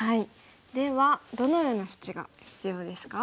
ではどのような処置が必要ですか？